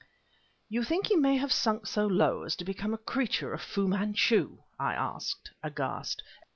"You think he may have sunk so low as to become a creature of Fu Manchu?" I asked, aghast.